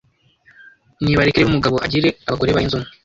Nibareke rero umugabo agire abagore barenze umwe